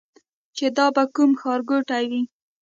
چې دا به کوم ښار ګوټی وي.